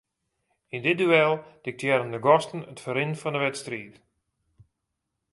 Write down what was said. Yn dit duel diktearren de gasten it ferrin fan 'e wedstriid.